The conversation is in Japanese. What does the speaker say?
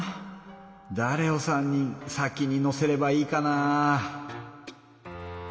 だれを３人先に乗せればいいかな？